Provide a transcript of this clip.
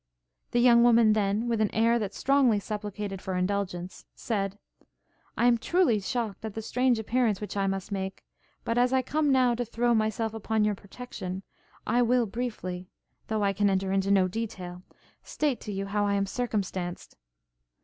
The young woman, then, with an air that strongly supplicated for indulgence, said, 'I am truly shocked at the strange appearance which I must make; but as I come now to throw myself upon your protection, I will briefly though I can enter into no detail state to you how I am circumstanced.'